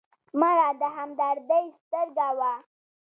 مړه د همدردۍ سترګه وه